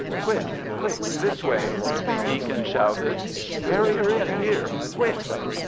"Quick! Quick! This way!" Harvey Deacon shouted. "Carry her in! Here! Quick!"